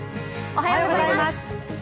おはようございます。